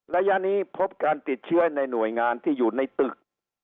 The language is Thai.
ระยะนี้พบการติดเชื้อในหน่วยงานที่อยู่ในตึก